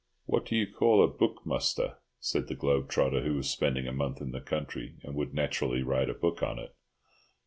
"What do you call a book muster?" said the globe trotter, who was spending a month in the country, and would naturally write a book on it.